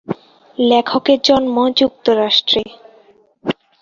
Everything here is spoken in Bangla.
লেখকের জন্ম যুক্তরাষ্ট্রে।